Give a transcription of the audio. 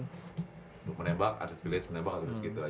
lu menebak artis village menebak terus gitu aja ya